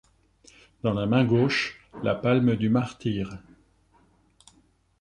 Dans la main gauche, la palme du martyre.